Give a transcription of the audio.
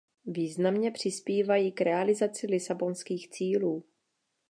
Významně přispívají k realizaci lisabonských cílů.